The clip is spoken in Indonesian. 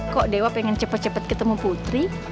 kok dewa pengen cepet cepet ketemu putri